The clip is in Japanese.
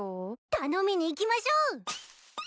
頼みにいきましょう。